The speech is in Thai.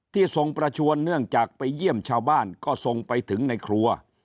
ทรงประชวนเนื่องจากไปเยี่ยมชาวบ้านก็ทรงไปถึงในครัว